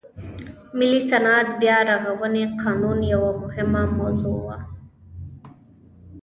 ملي صنعت بیا رغونې قانون یوه مهمه موضوع وه.